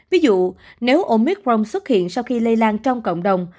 ví dụ nếu omicron xuất hiện sau khi lây lan trong cộng đồng